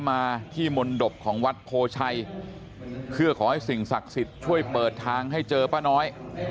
มาที่มนตบของวัดโพชัยเพื่อขอให้สิ่งศักดิ์สิทธิ์ช่วยเปิดทางให้เจอป้าน้อย